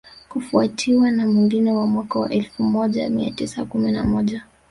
kufuatiwa na mwingine wa mwaka wa elfu moja mia tisa kumi na moja